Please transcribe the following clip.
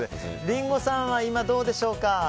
リンゴさんは今どうでしょうか。